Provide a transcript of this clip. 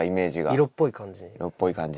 色っぽい感じ。